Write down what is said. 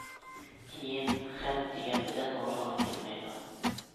كېيىن خەپ دېگەن بىلەن ئورنىغا كەلمەيدۇ.